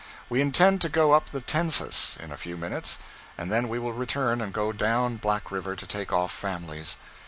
We intend to go up the Tensas in a few minutes, and then we will return and go down Black River to take off families.